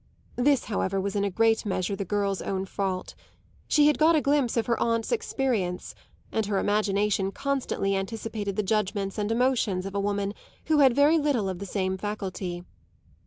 This, however, was in a great measure the girl's own fault; she had got a glimpse of her aunt's experience, and her imagination constantly anticipated the judgements and emotions of a woman who had very little of the same faculty.